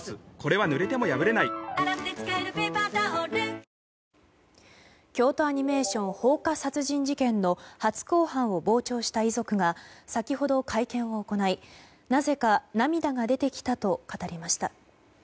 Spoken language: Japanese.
ハイクラスカードはダイナースクラブ京都アニメーション放火殺人事件の初公判を傍聴した遺族が先ほど会見を行いなぜか涙が出てきたと語りました。